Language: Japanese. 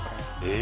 え？